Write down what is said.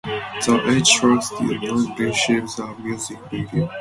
The "H" tracks did not received a music video.